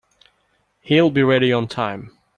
He'll be ready on time.